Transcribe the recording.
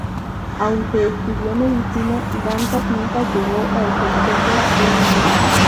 Aunque estudió Medicina, Dantas nunca llegó a ejercerla plenamente.